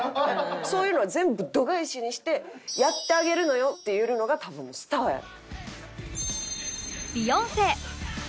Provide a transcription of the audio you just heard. そういうのは全部度外視にして「やってあげるのよ！」って言えるのが多分スターや。